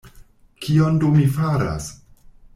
Kion do mi faras?